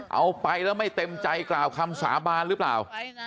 เอาไปแล้วไม่เต็มใจกล่าวคำสาบานหรือเปล่า